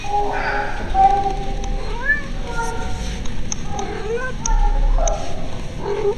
মাথা নাড়তেই সেই পথচারী দেখিয়ে দিলেন সেদিকেই, যেদিকে রায়হান এগিয়েছে খানিকটা।